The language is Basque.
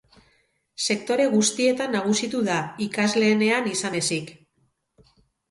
Sektore guztietan nagusitu da, ikasleenean izan ezik.